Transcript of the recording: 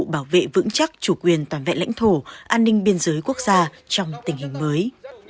bảo vệ vững chắc chủ quyền toàn vẹn lãnh thổ an ninh biên giới quốc gia trong tình hình mới